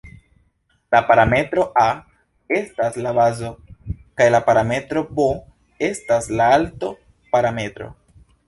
La parametro "a" estas la bazo kaj la parametro "b" estas la "alto"-parametro.